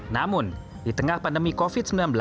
namun di tengah pandemi covid sembilan belas